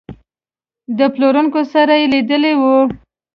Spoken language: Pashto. د پلورونکو سره یې لیدلي وو.